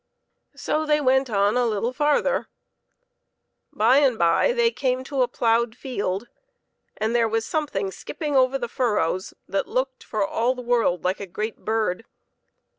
So they went on a little farther. By and by they came to a ploughed field, and there was something skipping over the furrows that looked for all the world like a great bird.